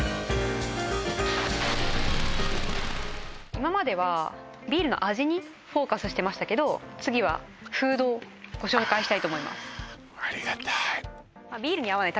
今まではビールの味にフォーカスしてましたけど次はフードをご紹介したいと思います